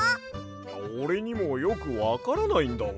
おれにもよくわからないんだわ。